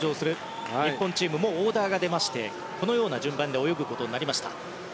日本チームもオーダーが出ましてこのような順番で泳ぐことになりました。